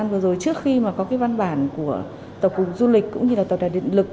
vừa rồi trước khi mà có cái văn bản của tổng cục du lịch cũng như là tập đoàn điện lực